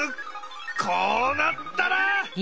こうなったら！